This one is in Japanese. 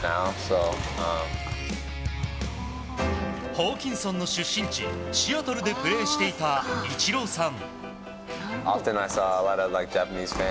ホーキンソンの出身地シアトルでプレーしていたイチローさん。